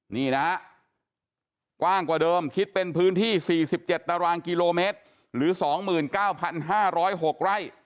นี่นะฮะกว้างกว่าเดิมคิดเป็นพื้นที่๔๗ตารางกิโลเมตรหรือ๒๙๕๐๖ไร่